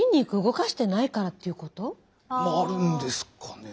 あるんですかね。